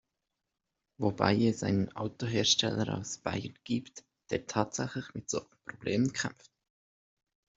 Wobei es einen Autohersteller aus Bayern gibt, der tatsächlich mit solchen Problemen kämpft.